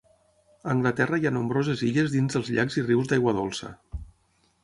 A Anglaterra hi ha nombroses illes dins dels llacs i rius d'aigua dolça.